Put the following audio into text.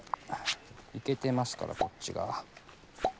イケてますからこっちが。